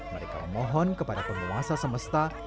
mereka memohon kepada penguasa semesta